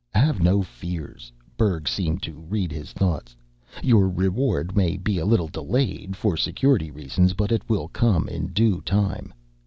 "Have no fears." Berg seemed to read his thoughts. "Your reward may be a little delayed for Security reasons, but it will come in due time."